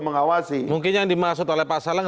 mengawasi mungkin yang dimaksud oleh pak saleng